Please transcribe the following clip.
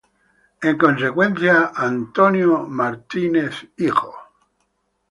En consecuencia, Jim Crockett Jr.